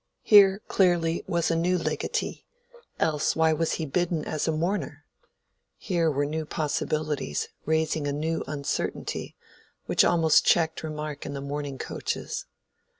Here, clearly, was a new legatee; else why was he bidden as a mourner? Here were new possibilities, raising a new uncertainty, which almost checked remark in the mourning coaches.